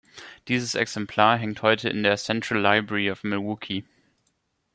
Dieses Exemplar hängt heute in der "Central Library of Milwaukee".